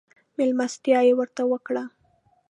مېلمستيا يې ورته وکړه.